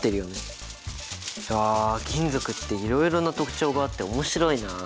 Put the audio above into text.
いや金属っていろいろな特徴があって面白いな。